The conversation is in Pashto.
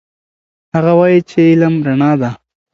هغه وایي چې علم رڼا ده.